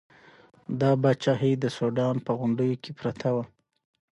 دا پاچاهي د سوډان په غونډیو کې پرته وه.